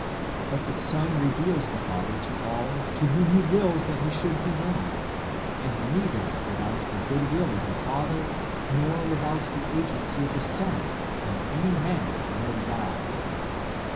But the Son reveals the Father to all to whom He wills that He should be known ; and neither without the goodwill of the Father, nor without the agency of the Son, can any man know God.